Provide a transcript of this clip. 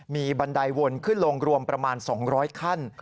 มีบันไดวนขึ้นลงรวมประมาณ๒๐๐ขั้น